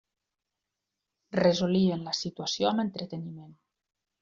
Resolien la situació amb entreteniment.